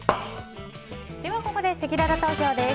ここでせきらら投票です。